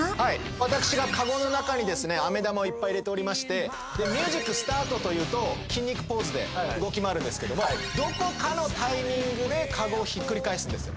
私がカゴの中にですね飴玉をいっぱい入れておりましてミュージックスタートと言うと筋肉ポーズで動き回るんですけどもどこかのタイミングでカゴをひっくり返すんですよ